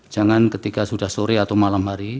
jangan ketika sudah sore atau malam hari